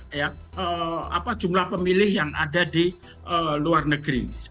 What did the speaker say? tapi ternyata itu tidak mendongkrak jumlah pemilih yang ada di luar negeri